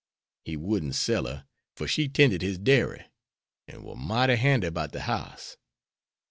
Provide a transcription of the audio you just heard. He wouldn't sell her, for she tended his dairy, an' war mighty handy 'bout de house.